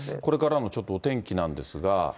これからのちょっとお天気なんですが。